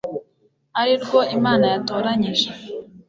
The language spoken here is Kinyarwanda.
ari rwo imana yatoranyije